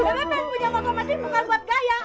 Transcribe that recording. bebe punya makro mati bukan buat gaya